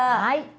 はい。